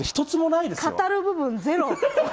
何も語る部分ゼロ